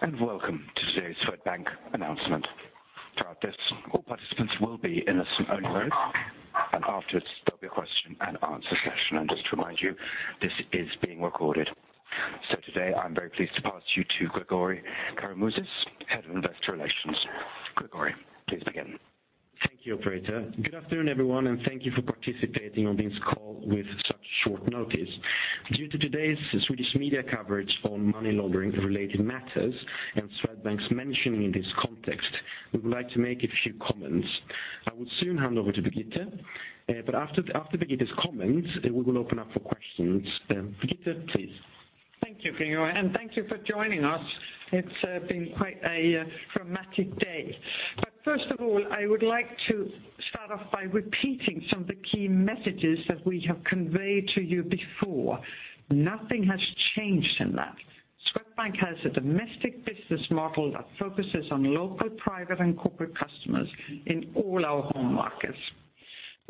Hello, and welcome to today's Swedbank announcement. Throughout this, all participants will be in a listen-only mode, and afterwards there'll be a question and answer session. And just to remind you, this is being recorded. So today I'm very pleased to pass you to Gregori Karamouzis, Head of Investor Relations. Gregori, please begin. Thank you, operator. Good afternoon, everyone, and thank you for participating on this call with such short notice. Due to today's Swedish media coverage on money laundering related matters and Swedbank's mentioning in this context, we would like to make a few comments. I will soon hand over to Birgitte, but after Birgitte's comments, we will open up for questions. Birgitte, please. Thank you, Gregori, and thank you for joining us. It's been quite a dramatic day. But first of all, I would like to start off by repeating some of the key messages that we have conveyed to you before. Nothing has changed in that. Swedbank has a domestic business model that focuses on local, private, and corporate customers in all our home markets.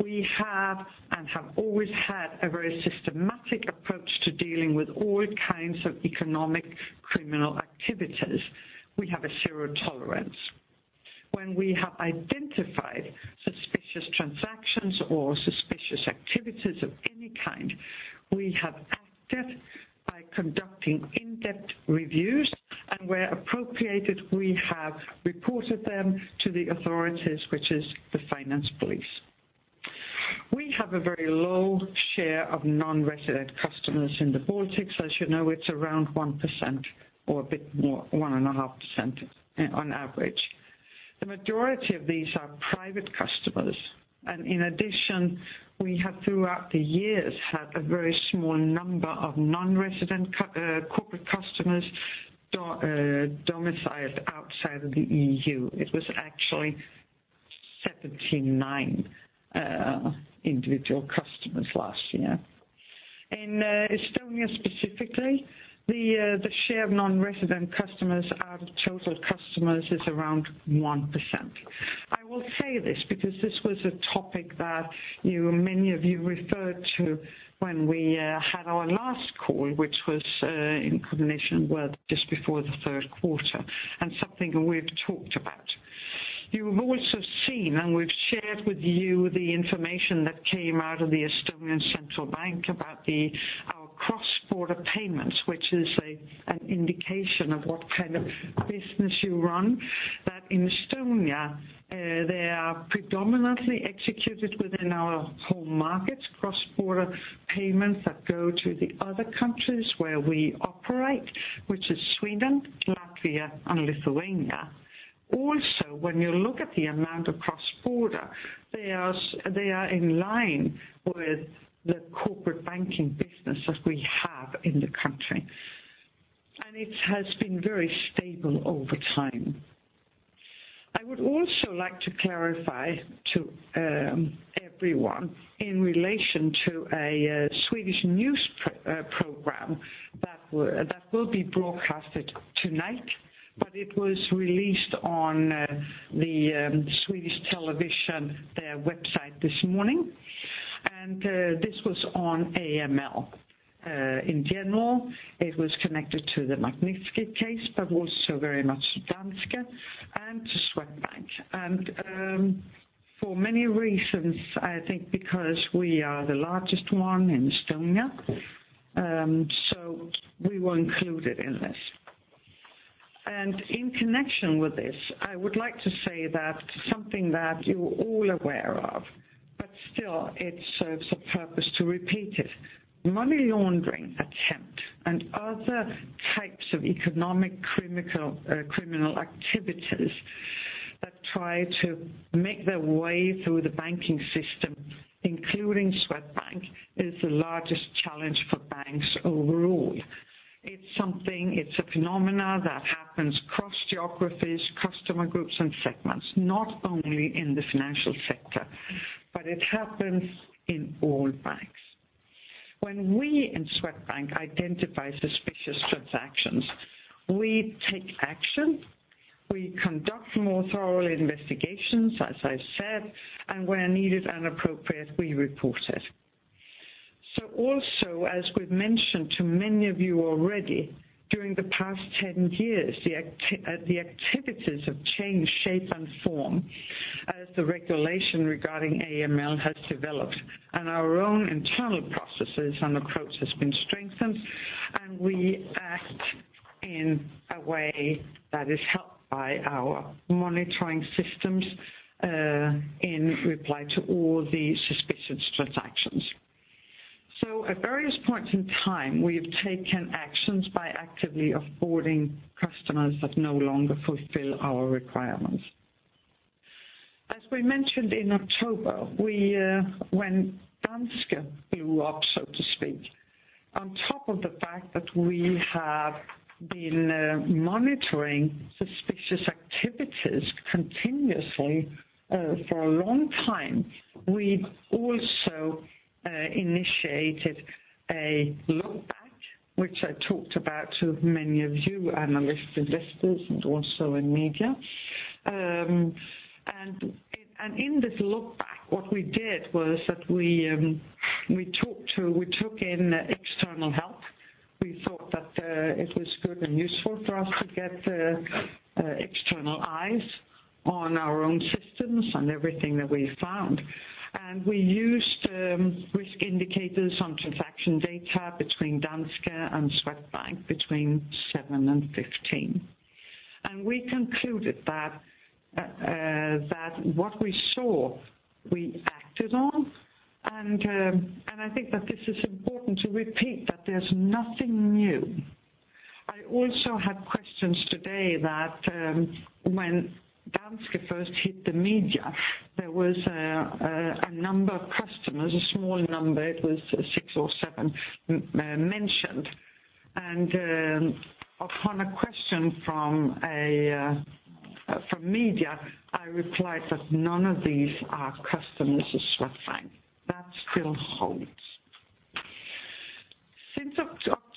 We have and have always had a very systematic approach to dealing with all kinds of economic criminal activities. We have a zero tolerance. When we have identified suspicious transactions or suspicious activities of any kind, we have acted by conducting in-depth reviews, and where appropriate, we have reported them to the authorities, which is the finance police. We have a very low share of non-resident customers in the Baltics. As you know, it's around 1% or a bit more, 1.5% on average. The majority of these are private customers, and in addition, we have, throughout the years, had a very small number of non-resident corporate customers domiciled outside of the EU. It was actually 79 individual customers last year. In Estonia specifically, the share of non-resident customers out of total customers is around 1%. I will say this because this was a topic that you, many of you referred to when we had our last call, which was in combination with just before the third quarter, and something we've talked about. You've also seen, and we've shared with you the information that came out of the Estonian Central Bank about our cross-border payments, which is an indication of what kind of business you run, that in Estonia, they are predominantly executed within our home markets, cross-border payments that go to the other countries where we operate, which is Sweden, Latvia, and Lithuania. Also, when you look at the amount of cross-border, they are in line with the corporate banking business that we have in the country, and it has been very stable over time. I would also like to clarify to everyone in relation to a Swedish news program that will be broadcasted tonight, but it was released on the Swedish Television, their website this morning. This was on AML. In general, it was connected to the Magnitsky case, but also very much Danske and to Swedbank. And, for many reasons, I think because we are the largest one in Estonia, so we were included in this. And in connection with this, I would like to say that something that you're all aware of, but still it serves a purpose to repeat it. Money laundering attempt and other types of economic, criminal, criminal activities that try to make their way through the banking system, including Swedbank, is the largest challenge for banks overall. It's something, it's a phenomena that happens cross geographies, customer groups, and segments, not only in the financial sector, but it happens in all banks. When we in Swedbank identify suspicious transactions, we take action, we conduct more thorough investigations, as I said, and where needed and appropriate, we report it. So also, as we've mentioned to many of you already, during the past 10 years, the activities have changed shape and form as the regulation regarding AML has developed and our own internal processes and approach has been strengthened, and we act in a way that is helped by our monitoring systems in reply to all the suspicious transactions. So at various points in time, we've taken actions by actively off-boarding customers that no longer fulfill our requirements. As we mentioned in October, we, when Danske blew up, so to speak, on top of the fact that we have been monitoring suspicious activities continuously for a long time, we've also initiated a look back, which I talked about to many of you, analysts, investors, and also in media. And in this look back, what we did was that we talked to, we took in external help. We thought that it was good and useful for us to get external eyes on our own systems and everything that we found. And we used risk indicators on transaction data between Danske and Swedbank between seven and 15. And we concluded that what we saw, we acted on. And I think that this is important to repeat, that there's nothing new. I also had questions today that when Danske first hit the media, there was a number of customers, a small number, it was six or seven mentioned. And upon a question from media, I replied that none of these are customers of Swedbank. That still holds.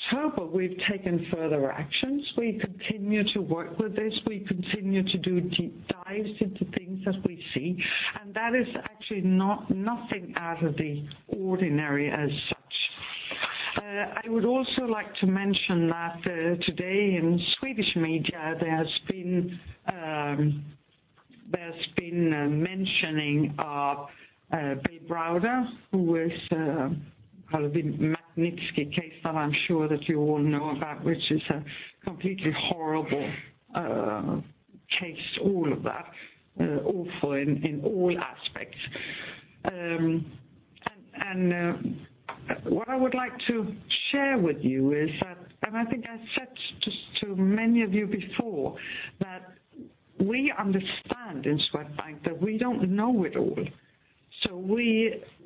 Since October, we've taken further actions. We continue to work with this. We continue to do deep dives into things that we see, and that is actually not nothing out of the ordinary as such. I would also like to mention that today in Swedish media, there has been mentioning of Bill Browder, who is kind of the Magnitsky case, that I'm sure that you all know about, which is a completely horrible case, all of that. Awful in all aspects. And what I would like to share with you is that, and I think I said this to many of you before, that we understand in Swedbank that we don't know it all. So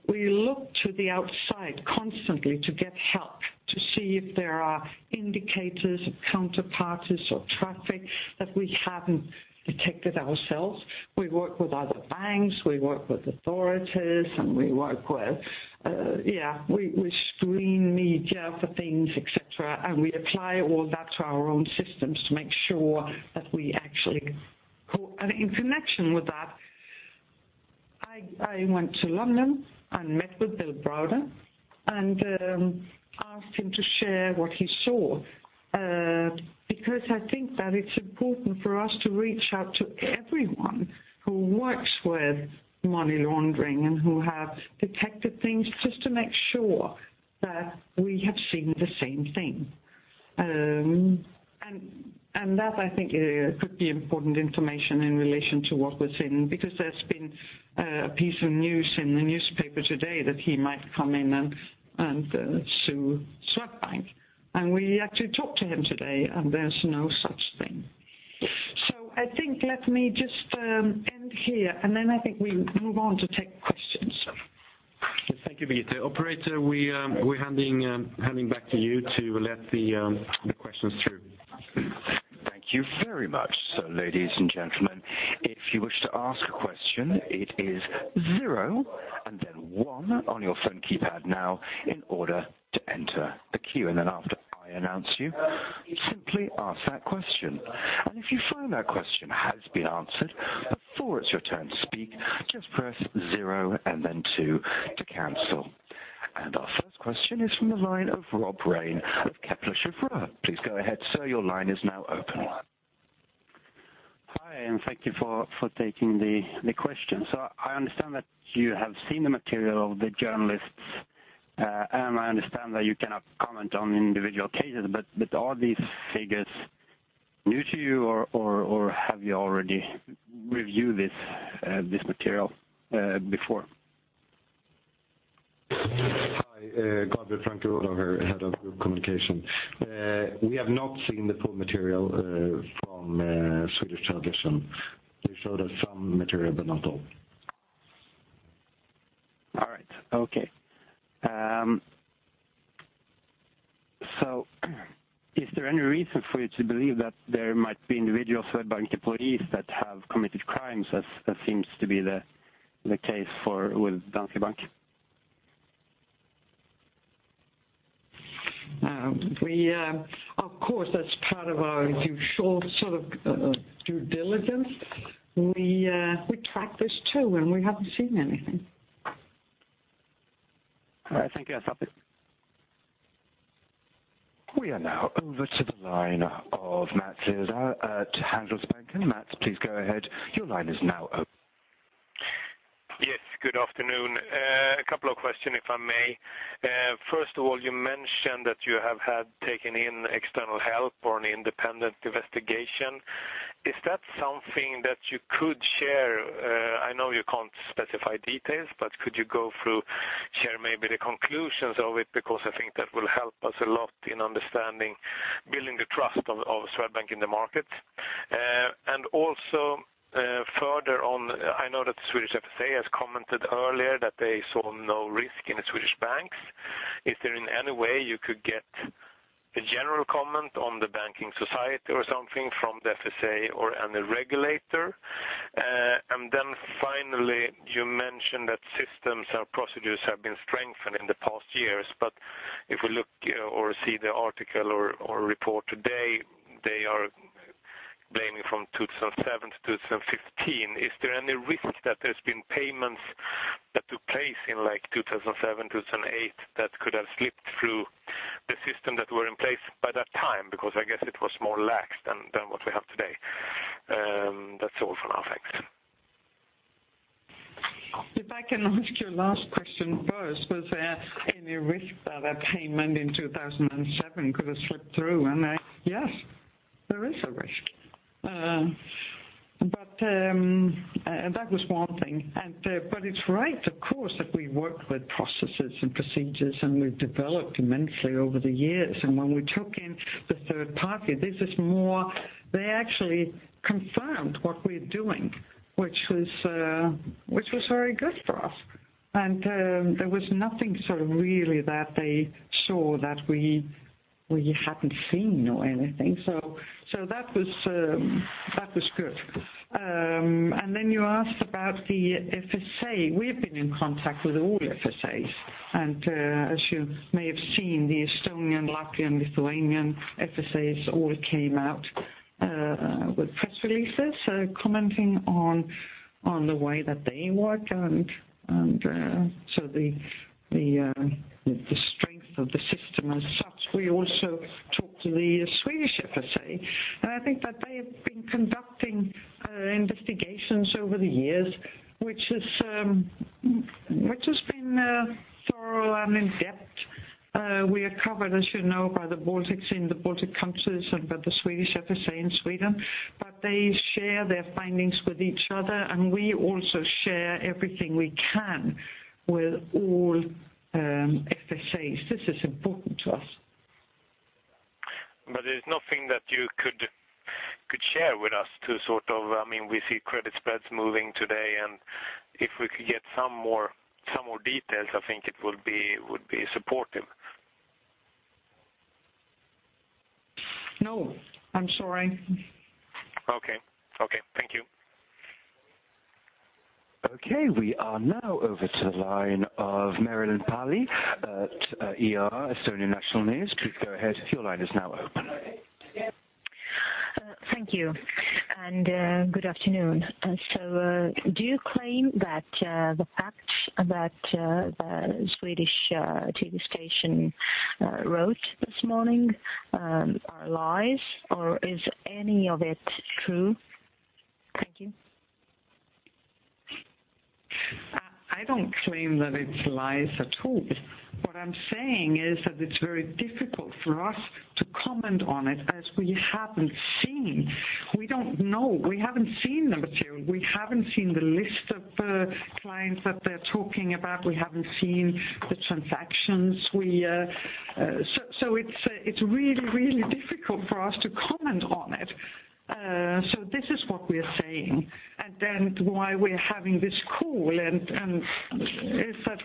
we look to the outside constantly to get help, to see if there are indicators, counterparties, or traffic that we haven't detected ourselves. We work with other banks, we work with authorities, and we work with, yeah, we screen media for things, et cetera, and we apply all that to our own systems to make sure that we actually go. And in connection with that, I went to London and met with Bill Browder and asked him to share what he saw. Because I think that it's important for us to reach out to everyone who works with money laundering and who have detected things, just to make sure that we have seen the same thing. And that, I think, could be important information in relation to what was in... Because there's been a piece of news in the newspaper today that he might come in and sue Swedbank. And we actually talked to him today, and there's no such thing. So I think let me just end here, and then I think we move on to take questions. Thank you, Birgitte. Operator, we're handing back to you to let the questions through. Thank you very much. So, ladies and gentlemen, if you wish to ask a question, it is zero and then one on your phone keypad now in order to enter the queue. And then after I announce you, simply ask that question. And if you find that question has been answered before it's your turn to speak, just press zero and then two to cancel. And our first question is from the line of Rob Raine of Kepler Cheuvreux. Please go ahead, sir. Your line is now open. Hi, and thank you for taking the question. So I understand that you have seen the material of the journalists, and I understand that you cannot comment on individual cases, but are these figures new to you, or have you already reviewed this material before? Hi, Gabriel Francke Rodau, Head of Group Communication. We have not seen the full material from Swedish Television. They showed us some material, but not all. All right. Okay. So is there any reason for you to believe that there might be individual Swedbank employees that have committed crimes, as seems to be the case with Danske Bank? Of course, that's part of our usual sort of due diligence. We track this too, and we haven't seen anything. All right. Thank you. That's all. We are now over to the line of Mats Liss at Handelsbanken. Mats, please go ahead. Your line is now open. Yes, good afternoon. A couple of questions, if I may. First of all, you mentioned that you have had taken in external help or an independent investigation. Is that something that you could share? I know you can't specify details, but could you go through, share maybe the conclusions of it? Because I think that will help us a lot in understanding, building the trust of, of Swedbank in the market. And also, further on, I know that the Swedish FSA has commented earlier that they saw no risk in the Swedish banks. Is there any way you could get a general comment on the banking society or something from the FSA or any regulator? And then finally, you mentioned that systems and procedures have been strengthened in the past years. But if we look or see the article or, or report today, they are blaming from 2007 to 2015. Is there any risk that there's been payments that took place in, like, 2007, 2008, that could have slipped through the system that were in place by that time? Because I guess it was more lax than, than what we have today. That's all for now. Thanks. If I can ask your last question first, was there any risk that a payment in 2007 could have slipped through? And, yes, there is a risk. But, and that was one thing. And, but it's right, of course, that we work with processes and procedures, and we've developed immensely over the years. And when we took in the third party, this is more, they actually confirmed what we're doing, which was, which was very good for us. And, there was nothing sort of really that they saw that we, we hadn't seen or anything. So, so that was, that was good. And then you asked about the FSA. We've been in contact with all FSAs, and, as you may have seen, the Estonian, Latvian, Lithuanian FSAs all came out with press releases commenting on the way that they work. And, so the strength of the system as such. We also talked to the Swedish FSA, and I think that they have been conducting investigations over the years, which has been thorough and in-depth. We are covered, as you know, by the Baltics in the Baltic countries and by the Swedish FSA in Sweden. But they share their findings with each other, and we also share everything we can with all FSAs. This is important to us. But there's nothing that you could share with us to sort of, I mean, we see credit spreads moving today, and if we could get some more details, I think it would be supportive. No, I'm sorry. Okay. Okay, thank you. Okay, we are now over to the line of Merilin Pärli at ER, Estonian National News. Please go ahead. Your line is now open. Thank you, and good afternoon. So, do you claim that the facts about the Swedish TV station wrote this morning are lies, or is any of it true? Thank you. I don't claim that it's lies at all. What I'm saying is that it's very difficult for us to comment on it, as we haven't seen. We don't know. We haven't seen the material. We haven't seen the list of, clients that they're talking about. We haven't seen the transactions. So, so it's, it's really, really difficult for us to comment on it. So this is what we are saying and then why we're having this call. And is that,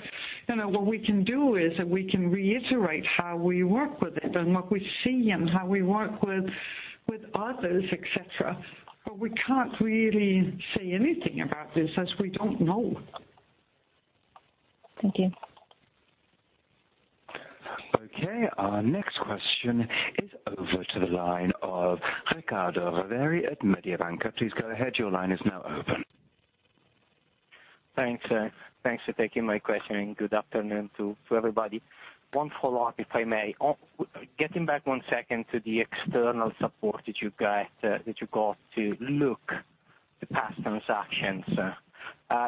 you know, what we can do is that we can reiterate how we work with it and what we see and how we work with, with others, et cetera. But we can't really say anything about this, as we don't know. Thank you. Okay, our next question is over to the line of Riccardo Rovere at Mediobanca. Please go ahead. Your line is now open. Thanks, thanks for taking my question, and good afternoon to everybody. One follow-up, if I may. Getting back one second to the external support that you got, that you got to look at the past transactions.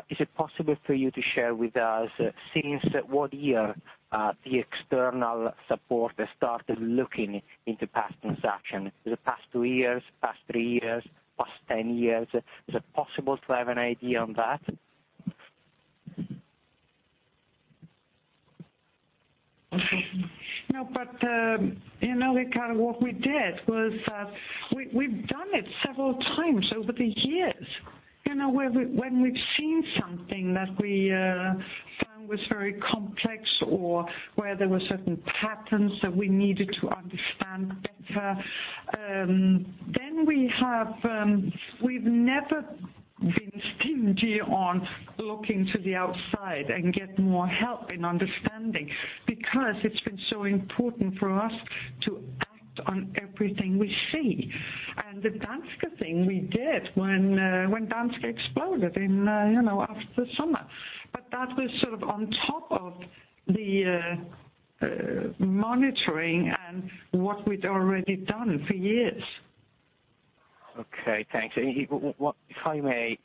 Is it possible for you to share with us, since what year, the external support started looking into past transactions? Is it past two years, past three years, past 10 years? Is it possible to have an idea on that? No, but, you know, Ricardo, what we did was, we've done it several times over the years. You know, where we, when we've seen something that we found was very complex or where there were certain patterns that we needed to understand better, then we've never been stingy on looking to the outside and get more help in understanding, because it's been so important for us to act on everything we see. And the Danske thing we did when Danske exploded in, you know, after the summer. But that was sort of on top of the monitoring and what we'd already done for years. Okay, thanks. And what -- if I may,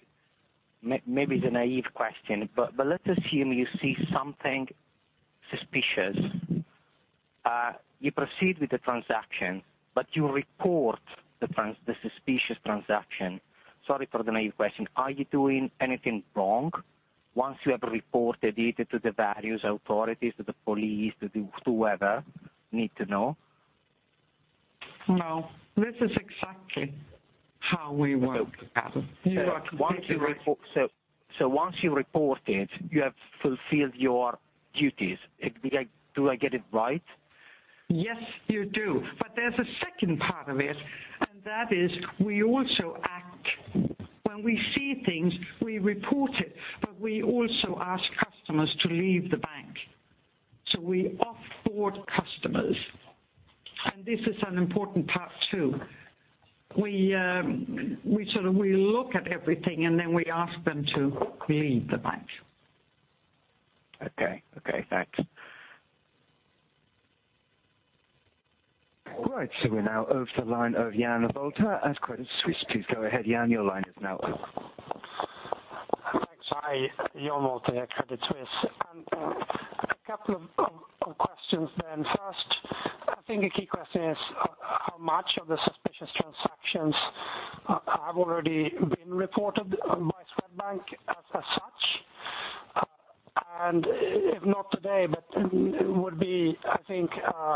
maybe it's a naive question, but let's assume you see something suspicious. You proceed with the transaction, but you report the suspicious transaction. Sorry for the naive question. Are you doing anything wrong once you have reported it to the various authorities, to the police, to the whoever need to know? No, this is exactly how we work. Okay. We are completely- Once you report it, you have fulfilled your duties. Do I get it right? Yes, you do. But there's a second part of it, and that is we also act. When we see things, we report it, but we also ask customers to leave the bank. So we off-board customers, and this is an important part, too. We, we sort of we look at everything, and then we ask them to leave the bank. Okay. Okay, thanks. Right. So we're now over to the line of Jan Wolter at Credit Suisse. Please go ahead, Jan, your line is now open. Thanks. Hi, Jan Wolter, Credit Suisse. And a couple of questions then. First, I think a key question is, how much of the suspicious transactions have already been reported by Swedbank as such? And if not today, but it would be, I think,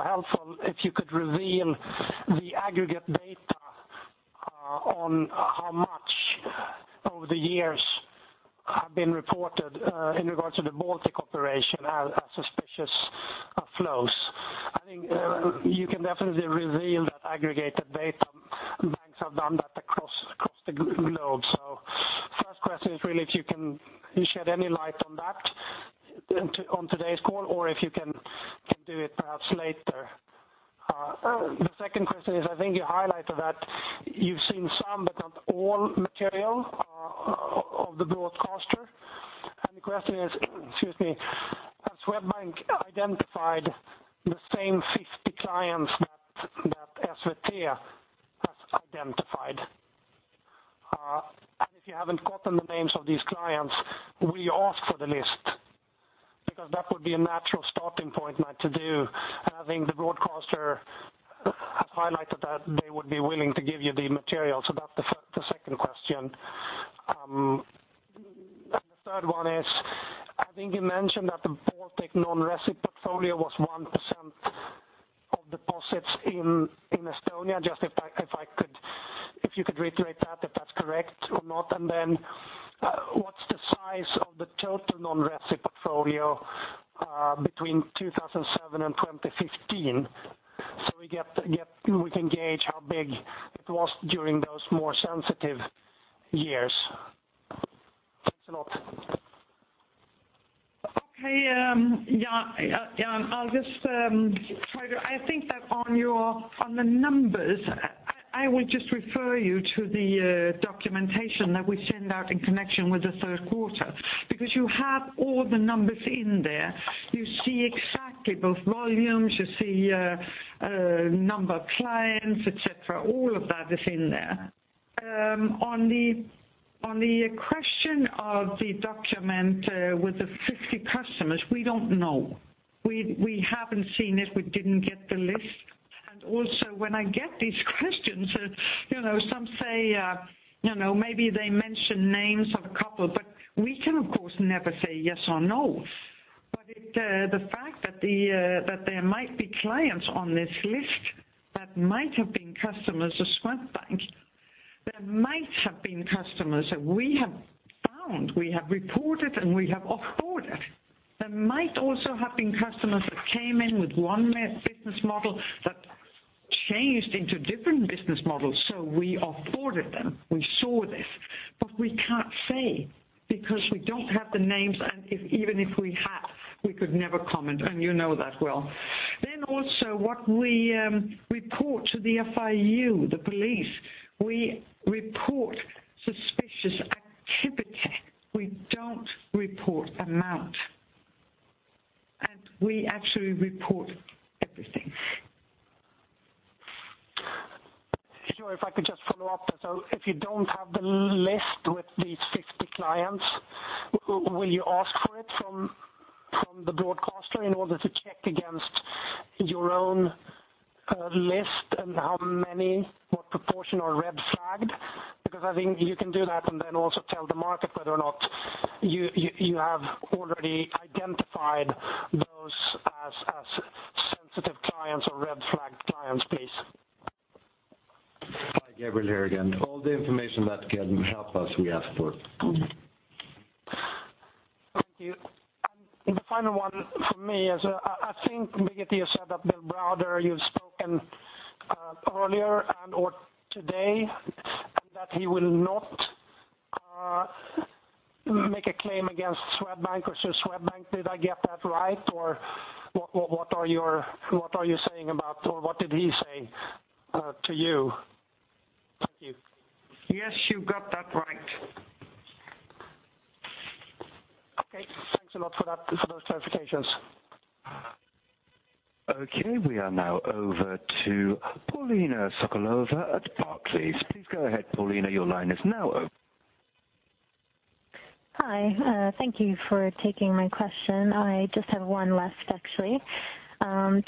helpful if you could reveal the aggregate data on how much over the years have been reported in regards to the Baltic operation as suspicious flows. I think you can definitely reveal that aggregated data. Banks have done that across the globe. So first question is really if you can shed any light on that on today's call, or if you can do it perhaps later. The second question is, I think you highlighted that you've seen some, but not all material of the broadcaster. And the question is, excuse me, has Swedbank identified the same 50 clients that SVT has identified? And if you haven't gotten the names of these clients, will you ask for the list? Because that would be a natural starting point not to do, having the broadcaster has highlighted that they would be willing to give you the materials. So that's the second question. And the third one is, I think you mentioned that the Baltic non-recip portfolio was 1% of deposits in Estonia. Just if I could, if you could reiterate that, if that's correct or not. And then, what's the size of the total non-recip portfolio, between 2007 and 2015, so we get, we can gauge how big it was during those more sensitive years. Thanks a lot. Okay, Jan, Jan, I'll just try to. I think that on your, on the numbers, I will just refer you to the documentation that we send out in connection with the third quarter, because you have all the numbers in there. You see exactly both volumes, you see number of clients, et cetera. All of that is in there. On the question of the document with the 50 customers, we don't know. We haven't seen it. We didn't get the list. And also, when I get these questions, you know, some say, you know, maybe they mention names of a couple, but we can, of course, never say yes or no. But it, the fact that the, that there might be clients on this list that might have been customers of Swedbank, there might have been customers that we have found, we have reported, and we have off-boarded. There might also have been customers that came in with one business model that changed into different business models, so we off-boarded them. We saw this. But we can't say, because we don't have the names, and if even if we had, we could never comment, and you know that well. Then also, what we, report to the FIU, the police, we report suspicious activity. We don't report amount, and we actually report everything. Sure, if I could just follow up. So if you don't have the list with these 50 clients, will you ask for it from, from the broadcaster in order to check against your own list and how many, what proportion are red flagged? Because I think you can do that and then also tell the market whether or not you, you, you have already identified those as, as sensitive clients or red flagged clients, please. Hi, Gabriel here again. All the information that can help us, we ask for. Thank you. The final one for me is, I think, Birgitte, you said that Bill Browder, you've spoken earlier and or today, and that he will not make a claim against Swedbank or sue Swedbank. Did I get that right? Or what are you saying about or what did he say to you? Thank you. Yes, you got that right. Okay, thanks a lot for that, for those clarifications. Okay, we are now over to Paulina Sokolova at Barclays. Please go ahead, Paulina, your line is now open. Hi, thank you for taking my question. I just have one left, actually.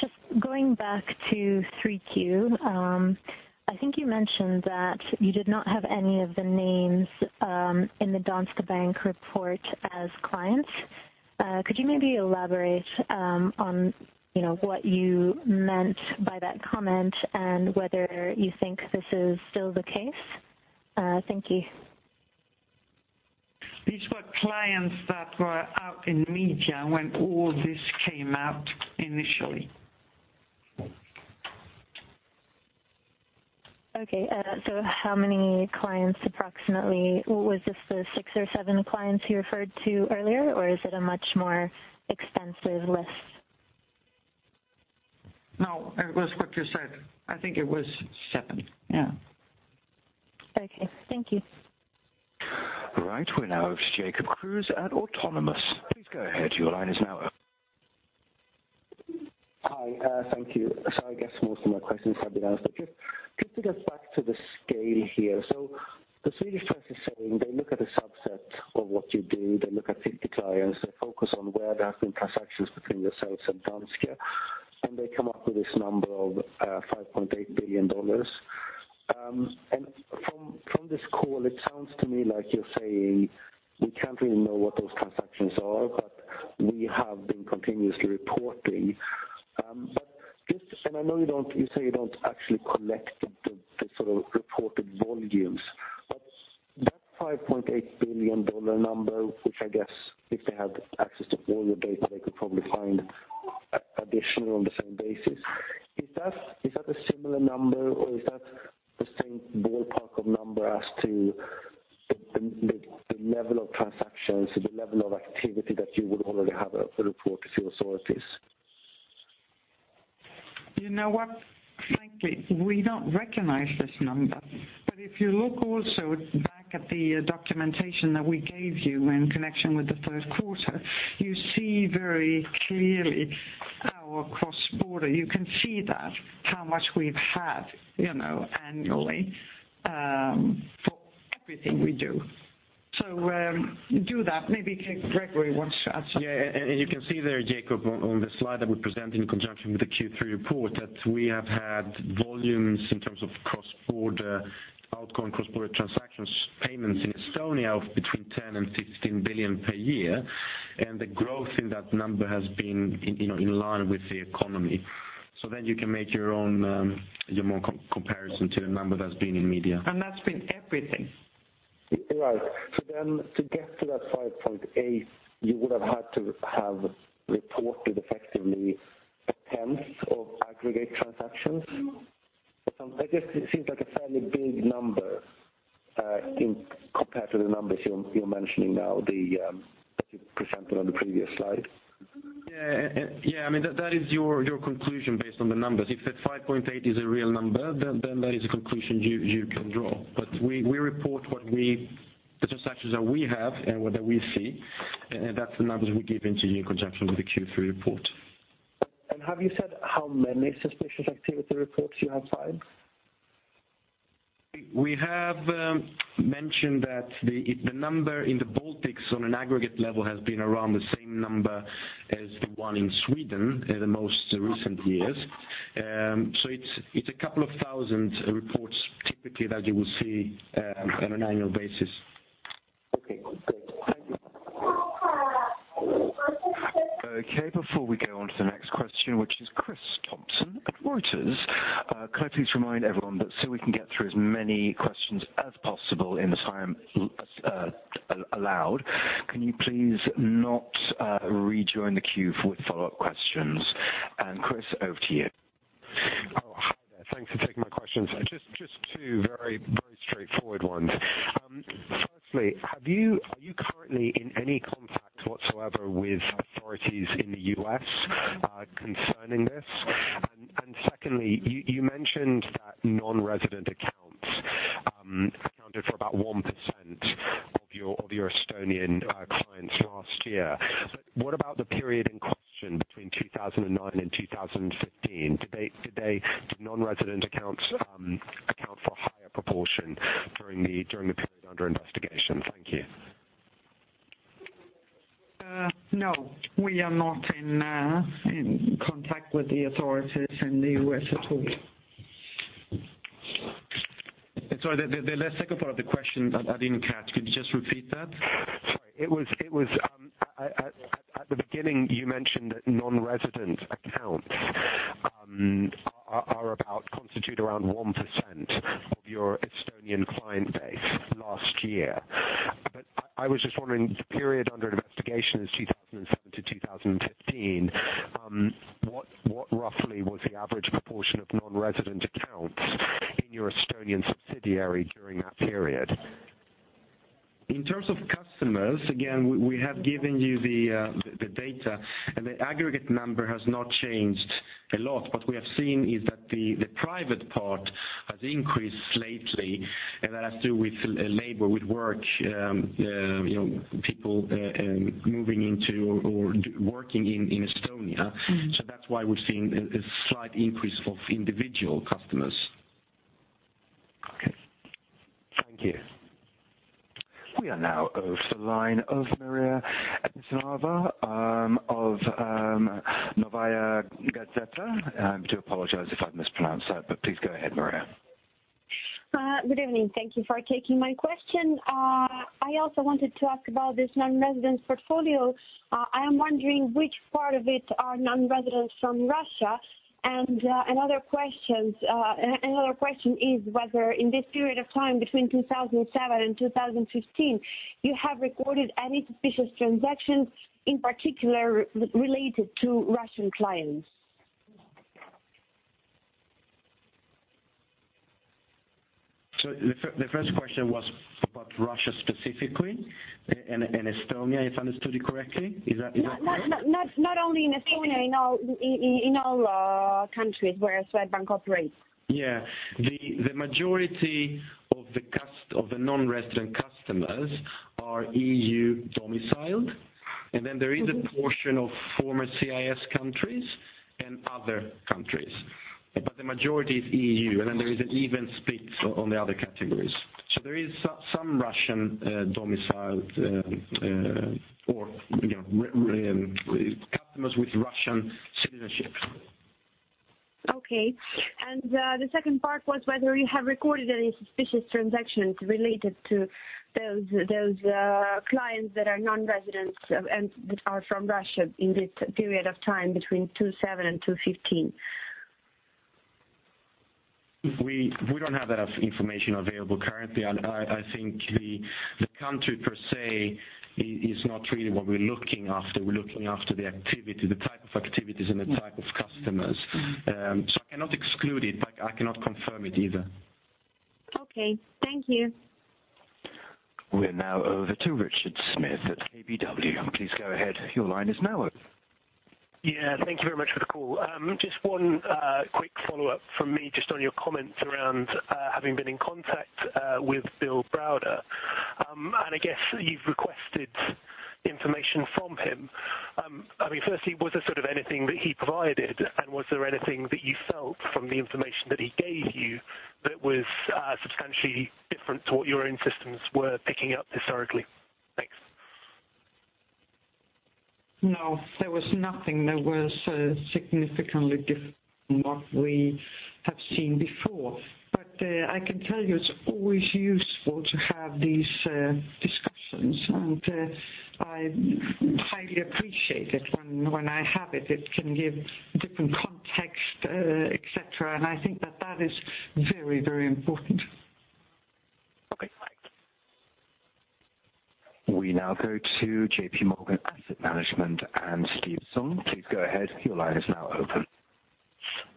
Just going back to 3Q, I think you mentioned that you did not have any of the names in the Danske Bank report as clients. Could you maybe elaborate on, you know, what you meant by that comment and whether you think this is still the case? Thank you. These were clients that were out in media when all this came out initially. Okay, so how many clients approximately? Was this the six or seven clients you referred to earlier, or is it a much more expansive list? No, it was what you said. I think it was seven. Yeah. Okay, thank you. Right. We're now Jacob Kruse at Autonomous. Please go ahead. Your line is now open. Hi, thank you. So I guess most of my questions have been answered, but just to get back to the scale here. So the Swedish press is saying they look at a subset of what you do, they look at 50 clients, they focus on where there have been transactions between yourselves and Danske, and they come up with this number of $5.8 billion. And from this call, it sounds to me like you're saying we can't really know what those transactions are, but we have been continuously reporting. But just... And I know you don't, you say you don't actually collect the sort of reported volumes, but that $5.8 billion number, which I guess if they had access to all your data, they could probably find additional on the same basis. Is that a similar number or is that the same ballpark of number as to the level of transactions or the level of activity that you would already have report to your authorities? You know what? Frankly, we don't recognize this number. But if you look also back at the documentation that we gave you in connection with the third quarter, you see very clearly our cross-border. You can see that, how much we've had, you know, annually, for everything we do. So, do that. Maybe Gregori wants to add something. Yeah, and you can see there, Jacob, on the slide that we present in conjunction with the Q3 report, that we have had volumes in terms of cross-border, outgoing cross-border transactions, payments in Estonia of between 10 billion and 15 billion per year. And the growth in that number has been in, you know, in line with the economy. So then you can make your own, your own comparison to the number that's been in media. That's been everything. Right. To get to that $5.8 billion, you would have had to have reported effectively a tenth of aggregate transactions? Or some—I guess it seems like a fairly big number, in compared to the numbers you're mentioning now, that you presented on the previous slide. Yeah. Yeah, I mean, that is your conclusion based on the numbers. If that 5.8 is a real number, then that is a conclusion you can draw. But we report what we... The transactions that we have and what we see, and that's the numbers we gave to you in conjunction with the Q3 report. Have you said how many suspicious activity reports you have filed? We have mentioned that the number in the Baltics on an aggregate level has been around the same number as the one in Sweden in the most recent years. So it's a couple of thousand reports typically that you will see on an annual basis. Okay, great. Thank you. Okay, before we go on to the next question, which is Chris Thompson at Reuters, can I please remind everyone that so we can get through as many questions as possible in the time allowed, can you please not rejoin the queue for follow-up questions? And Chris, over to you. Oh, hi there. Thanks for taking my questions. Just two very, very straightforward ones. Firstly, are you currently in any contact whatsoever with authorities in the U.S., concerning this? And secondly, you mentioned that non-resident accounts accounted for about 1% of your Estonian clients last year. But what about the period in question between 2009 and 2015? Did they non-resident accounts account for a higher proportion during the period under investigation? Thank you. No, we are not in contact with the authorities in the U.S. at all. And sorry, the second part of the question I didn't catch. Could you just repeat that? Sorry. It was at the beginning, you mentioned that non-resident accounts are about... Constitute around 1% of your Estonian client base last year. But I was just wondering, the period under investigation is 2007 to 2015, what roughly was the average proportion of non-resident accounts in your Estonian subsidiary during that period? In terms of customers, again, we have given you the data, and the aggregate number has not changed a lot. What we have seen is that the private part has increased lately, and that has to do with labor, with work, you know, people moving into or working in Estonia. That's why we're seeing a slight increase of individual customers. Okay. Thank you. We are now over to the line of Maria Ignatyeva, of, Novaya Gazeta. I do apologize if I've mispronounced that, but please go ahead, Maria. Good evening. Thank you for taking my question. I also wanted to ask about this non-residents portfolio. I am wondering which part of it are non-residents from Russia? And, another question is whether in this period of time, between 2007 and 2015, you have recorded any suspicious transactions, in particular, related to Russian clients? So the first question was about Russia specifically and Estonia, if I understood it correctly, is that right? Not only in Estonia, in all countries where Swedbank operates. Yeah. The majority of the non-resident customers are EU domiciled, and then there is a portion of former CIS countries and other countries, but the majority is EU, and then there is an even split on the other categories. So there is some Russian domiciled, or, you know, customers with Russian citizenship. Okay. And, the second part was whether you have recorded any suspicious transactions related to those clients that are non-residents and that are from Russia in this period of time, between 2007 and 2015. We don't have that information available currently. I think the country per se is not really what we're looking after. We're looking after the activity, the type of activities and the type of customers. So I cannot exclude it, but I cannot confirm it either. Okay. Thank you. We're now over to Richard Smith at KBW. Please go ahead. Your line is now open. Yeah, thank you very much for the call. Just one quick follow-up from me, just on your comments around having been in contact with Bill Browder. And I guess you've requested information from him. I mean, firstly, was there sort of anything that he provided, and was there anything that you felt from the information that he gave you that was substantially different to what your own systems were picking up historically? Thanks. No, there was nothing that was significantly different from what we have seen before. But, I can tell you it's always useful to have these discussions, and I highly appreciate it when, when I have it. It can give different context, et cetera, and I think that that is very, very important. Okay, thank you. We now go to JPMorgan Asset Management and Steve Sung. Please go ahead. Your line is now open.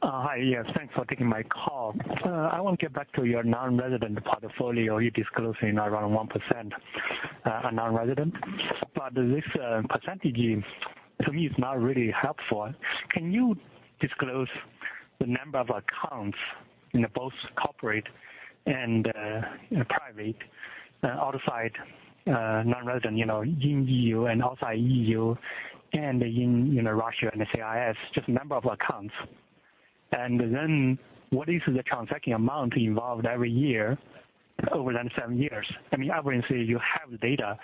Hi. Yes, thanks for taking my call. I want to get back to your non-resident portfolio. You're disclosing around 1%, are non-resident, but this percentage to me is not really helpful. Can you disclose the number of accounts in both corporate and private, outside non-resident, you know, in EU and outside EU and in, you know, Russia and the CIS, just number of accounts? And then what is the transacting amount involved every year over the last seven years? I mean, obviously, you have the data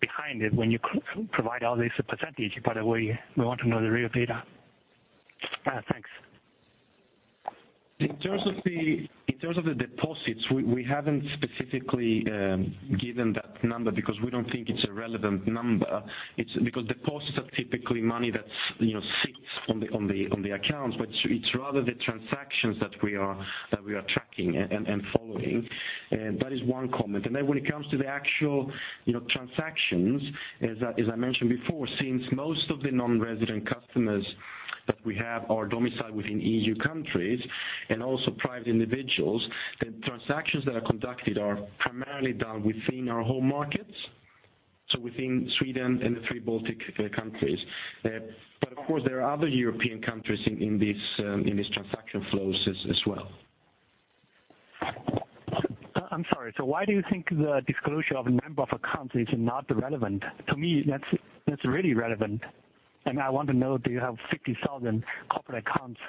behind it when you provide all this percentage, but we want to know the real data. Thanks. In terms of the deposits, we haven't specifically given that number because we don't think it's a relevant number. It's because deposits are typically money that's, you know, sits on the accounts, but it's rather the transactions that we are tracking and following. That is one comment. And then when it comes to the actual, you know, transactions, as I mentioned before, since most of the non-resident customers that we have are domiciled within EU countries and also private individuals, the transactions that are conducted are primarily done within our home markets, so within Sweden and the three Baltic countries. But of course, there are other European countries in these transaction flows as well. I'm sorry, so why do you think the disclosure of number of accounts is not relevant? To me, that's, that's really relevant, and I want to know, do you have 60,000 corporate accounts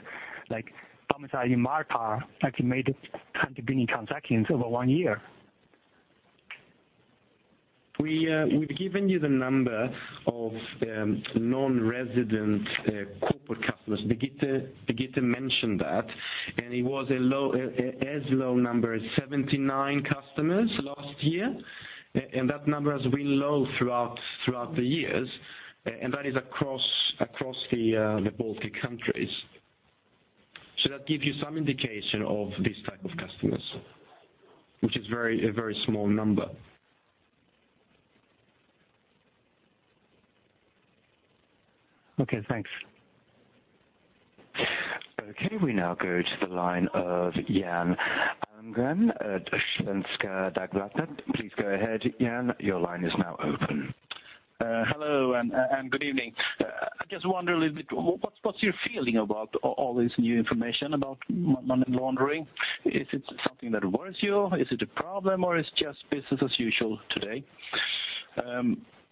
like domiciled in Malta, that have made hundreds transactions over one year? We've given you the number of non-resident corporate customers. Birgitte mentioned that, and it was a low as low number, 79 customers last year, and that number has been low throughout the years, and that is across the Baltic countries. So that gives you some indication of these type of customers, which is a very small number. Okay, thanks. Okay, we now go to the line of Jan Almgren at Svenska Dagbladet. Please go ahead, Jan. Your line is now open. Hello and good evening. I just wonder a little bit, what's your feeling about all this new information about money laundering? Is it something that worries you? Is it a problem, or it's just business as usual today?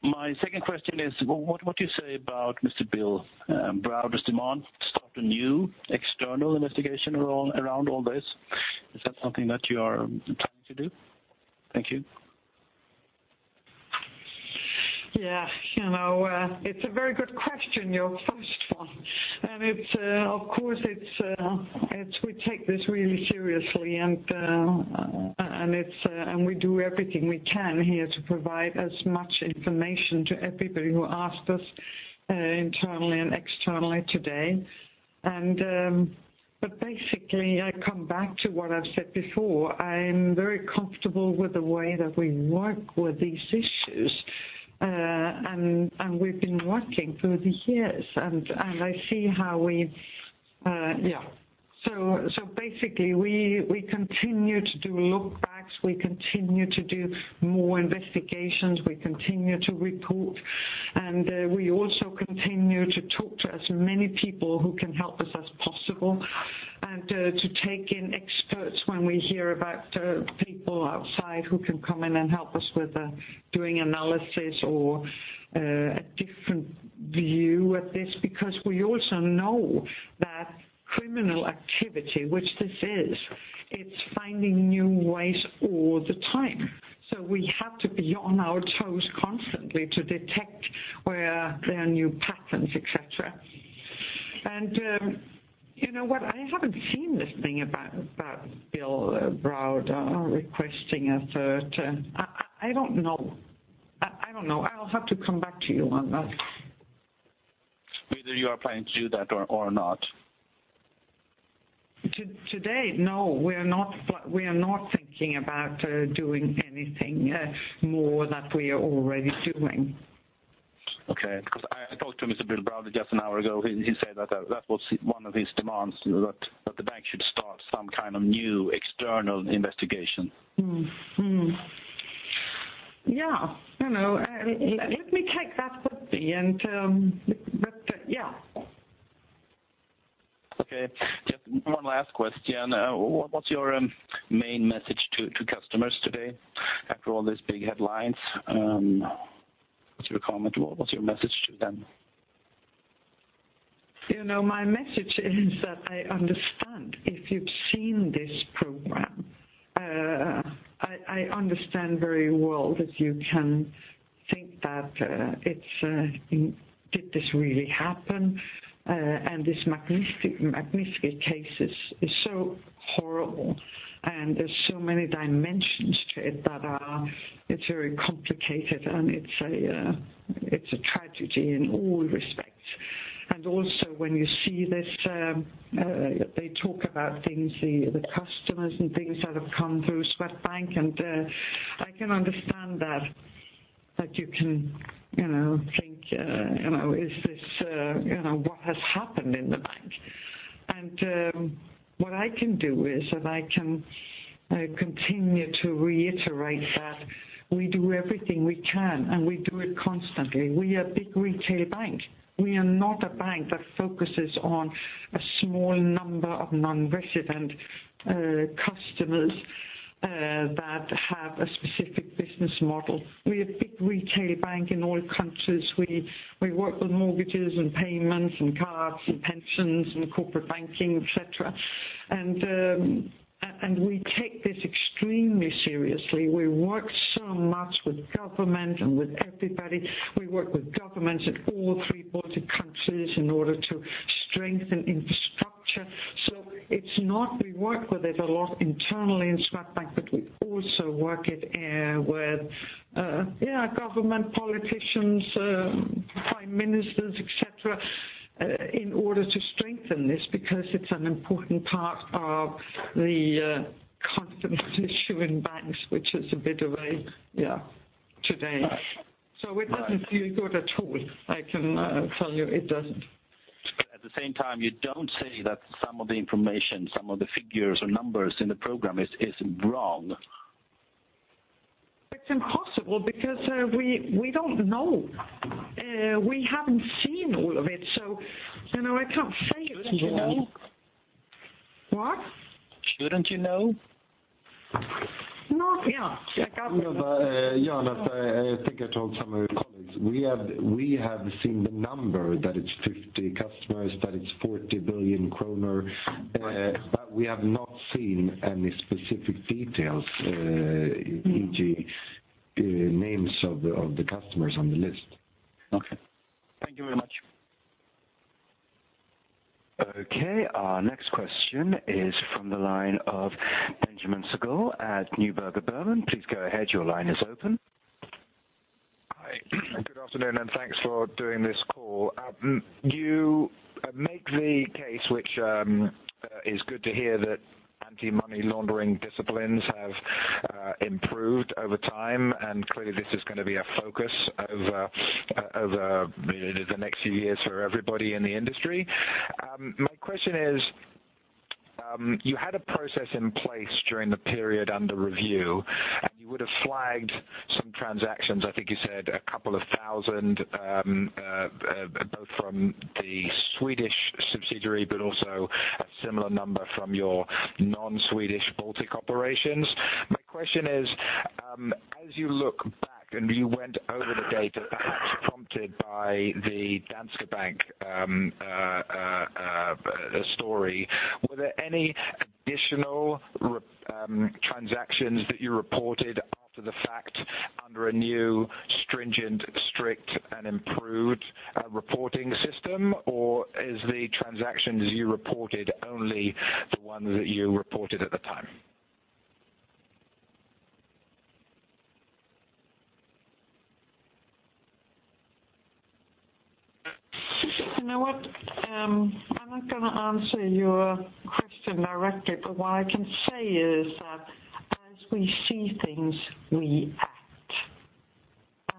My second question is, what do you say about Mr. Bill Browder's demand to start a new external investigation around all this? Is that something that you are planning to do? Thank you. Yeah, you know, it's a very good question, your first one. And it's, of course, we take this really seriously, and we do everything we can here to provide as much information to everybody who asked us, internally and externally today. But basically, I come back to what I've said before. I'm very comfortable with the way that we work with these issues. And we've been working through the years, and I see how we, yeah. So basically, we continue to do look backs, we continue to do more investigations, we continue to report, and we also continue to talk to as many people who can help us as possible, and to take in experts when we hear about people outside who can come in and help us with doing analysis or a different view at this. Because we also know that criminal activity, which this is, it's finding new ways all the time. So we have to be on our toes constantly to detect where there are new patterns, et cetera. And you know what? I haven't seen this thing about Bill Browder requesting a third. I don't know. I don't know. I'll have to come back to you on that. Whether you are planning to do that or not? Today, no, we are not thinking about doing anything more than we are already doing. Okay. Because I, I spoke to Mr. Bill Browder just an hour ago. He, he said that, that was one of his demands, that, that the bank should start some kind of new external investigation. Mm-hmm. Yeah, you know, let me take that with me, and, but, yeah. Okay. Just one last question. What, what's your main message to customers today after all these big headlines? What's your comment? What, what's your message to them? You know, my message is that I understand if you've seen this program. I understand very well that you can think that it's, did this really happen? And this Magnitsky case is so horrible, and there's so many dimensions to it. It's very complicated, and it's a tragedy in all respects. And also, when you see this, they talk about things, the customers and things that have come through Swedbank, and I can understand that you can, you know, think, you know, is this, you know, what has happened in the bank? And what I can do is that I can continue to reiterate that we do everything we can, and we do it constantly. We are a big retail bank. We are not a bank that focuses on a small number of non-resident customers that have a specific business model. We're a big retail bank in all countries. We work with mortgages and payments and cards and pensions and corporate banking, et cetera. We take this extremely seriously. We work so much with government and with everybody. We work with governments in all three Baltic countries in order to strengthen infrastructure. So it's not we work with it a lot internally in Swedbank, but we also work with, yeah, government, politicians, prime ministers, et cetera, in order to strengthen this, because it's an important part of the confidence issue in banks, which is a bit away, yeah, today. So it doesn't feel good at all. I can tell you it doesn't. At the same time, you don't say that some of the information, some of the figures or numbers in the program is wrong. It's impossible because we don't know. We haven't seen all of it, so, you know, I can't say it, you know. Shouldn't you know? What? Shouldn't you know? Not, yeah, I got that. Yeah, I think I told some of your colleagues. We have, we have seen the number, that it's 50 customers, that it's 40 billion kronor. But we have not seen any specific details. e.g., names of the customers on the list. Okay. Thank you very much. Okay, our next question is from the line of Benjamin Segel at Neuberger Berman. Please go ahead, your line is open. Hi, good afternoon, and thanks for doing this call. You make the case, which is good to hear, that anti-money laundering disciplines have improved over time, and clearly, this is gonna be a focus over the next few years for everybody in the industry. My question is, you had a process in place during the period under review, and you would have flagged some transactions, I think you said a couple of thousand, both from the Swedish subsidiary, but also a similar number from your non-Swedish Baltic operations. My question is, as you look back and you went over the data prompted by the Danske Bank story. Were there any additional transactions that you reported after the fact under a new stringent, strict, and improved reporting system? Or is the transactions you reported only the ones that you reported at the time? You know what? I'm not gonna answer your question directly, but what I can say is that as we see things, we act,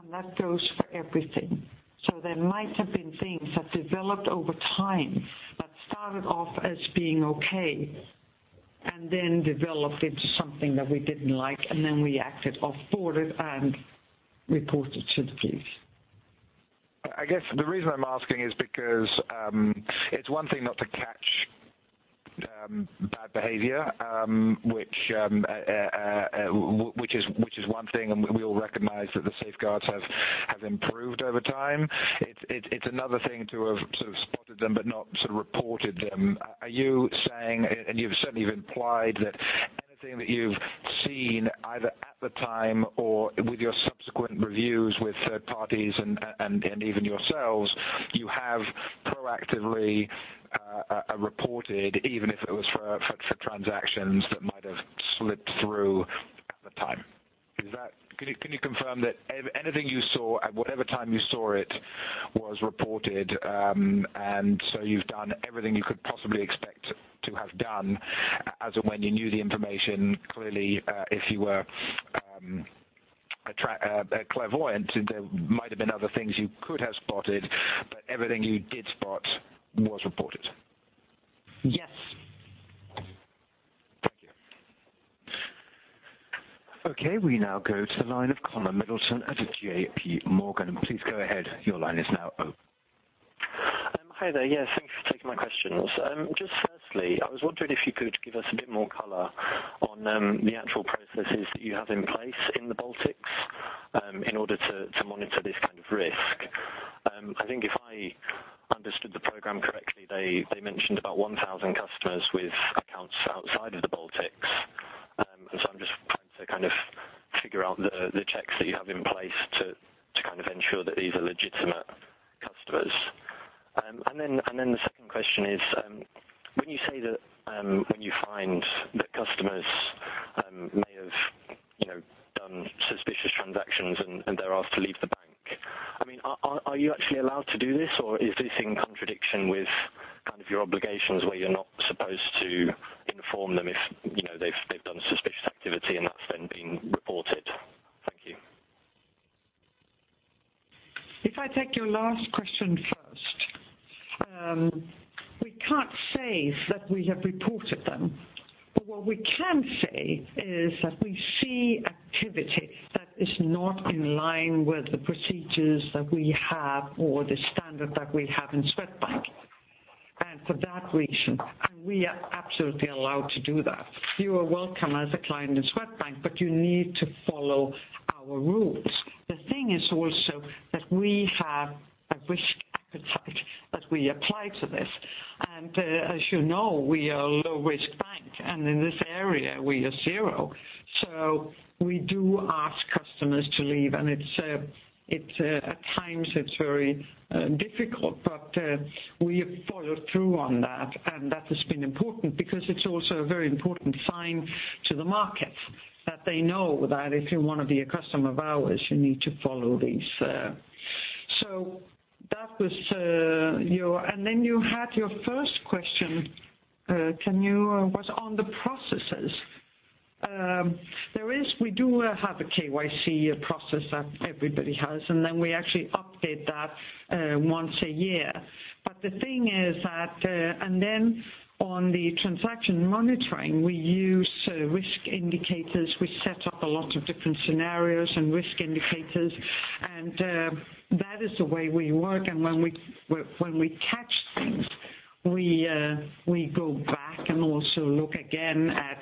and that goes for everything. So there might have been things that developed over time, that started off as being okay, and then developed into something that we didn't like, and then we acted on, forward it, and reported to the police. I guess the reason I'm asking is because it's one thing not to catch bad behavior, which is one thing, and we all recognize that the safeguards have improved over time. It's another thing to have sort of spotted them, but not sort of reported them. Are you saying, and you've certainly implied that anything that you've seen, either at the time or with your subsequent reviews, with third parties and even yourselves, you have proactively reported, even if it was for transactions that might have slipped through at the time? Is that... Can you confirm that anything you saw, at whatever time you saw it, was reported? And so you've done everything you could possibly expect to have done, as of when you knew the information. Clearly, if you were a clairvoyant, there might have been other things you could have spotted, but everything you did spot was reported. Yes. Thank you. Okay, we now go to the line of Conor Middleton at JPMorgan. Please go ahead. Your line is now open. Hi there. Yes, thanks for taking my questions. Just firstly, I was wondering if you could give us a bit more color on the actual processes that you have in place in the Baltics in order to monitor this kind of risk. I think if I understood the program correctly, they mentioned about 1,000 customers with accounts outside of the Baltics. And so I'm just trying to kind of figure out the checks that you have in place to kind of ensure that these are legitimate customers. And then the second question is: At times it's very difficult, but we have followed through on that. And that has been important, because it's also a very important sign to the market, that they know that if you want to be a customer of ours, you need to follow these. So that was your first question, which was on the processes. We do have a KYC process that everybody has, and then we actually update that once a year. But the thing is that... And then on the transaction monitoring, we use risk indicators. We set up a lot of different scenarios and risk indicators, and that is the way we work. And when we catch things, we go back and also look again at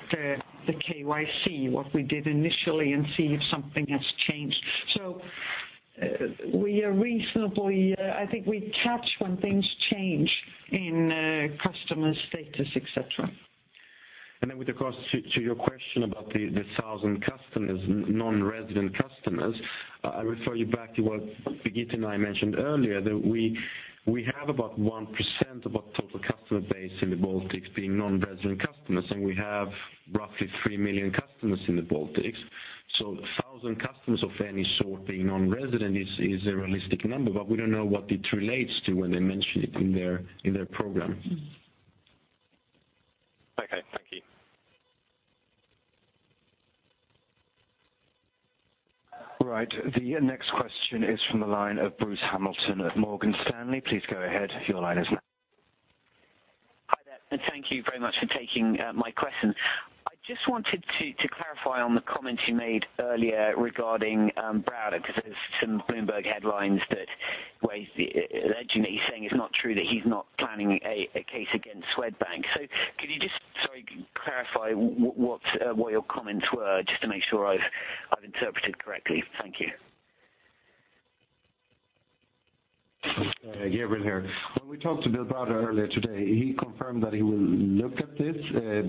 the KYC, what we did initially, and see if something has changed. So we are reasonably... I think we catch when things change in customer status, et cetera. And then with, of course, to your question about the 1,000 customers, non-resident customers, I refer you back to what Birgitte and I mentioned earlier, that we have about 1% of our total customer base in the Baltics being non-resident customers, and we have roughly 3 million customers in the Baltics. So 1,000 customers of any sort, being non-resident, is a realistic number, but we don't know what it relates to when they mention it in their program. Okay, thank you. Right. The next question is from the line of Bruce Hamilton at Morgan Stanley. Please go ahead. Your line is now- Hi there, and thank you very much for taking my question. I just wanted to clarify on the comments you made earlier regarding Browder, 'cause there's some Bloomberg headlines that where he alleging that he's saying it's not true, that he's not planning a case against Swedbank. So could you just, sorry, clarify what your comments were, just to make sure I've interpreted correctly? Thank you. Gregori here. When we talked to Bill Browder earlier today, he confirmed that he will look at this,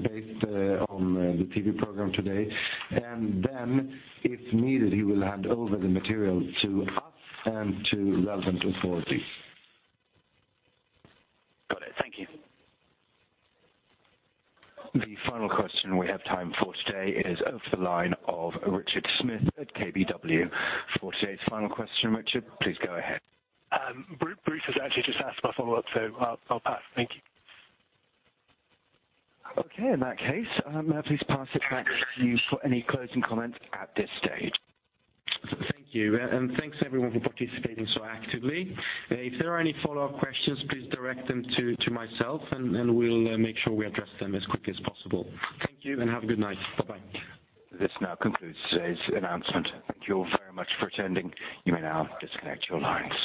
based on the TV program today. And then, if needed, he will hand over the material to us and to relevant authorities. Got it. Thank you. The final question we have time for today is over the line of Richard Smith at KBW. For today's final question, Richard, please go ahead. Bruce, Bruce has actually just asked my follow-up, so I'll pass. Thank you. Okay, in that case, may I please pass it back to you for any closing comments at this stage? Thank you, and thanks, everyone, for participating so actively. If there are any follow-up questions, please direct them to myself, and we'll make sure we address them as quickly as possible. Thank you, and have a good night. Bye-bye. This now concludes today's announcement. Thank you all very much for attending. You may now disconnect your lines.